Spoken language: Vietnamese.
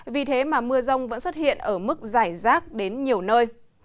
vì thế mà mưa rông vẫn xuất hiện ở mức dài rác đến nhiều nơi